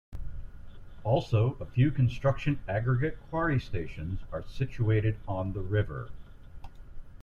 Also a few construction aggregate quarries stations are situated on the river.